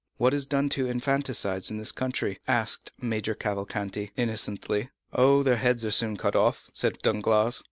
"What is done to infanticides in this country?" asked Major Cavalcanti innocently. "Oh, their heads are soon cut off," said Danglars.